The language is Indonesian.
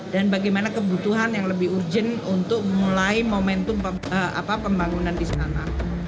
dan bagaimana kebutuhan yang lebih urgent untuk memulai momentum pembangunan di sana